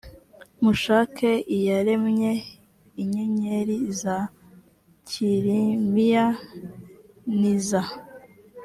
mushake iyaremye inyenyeri za kilimiya n iza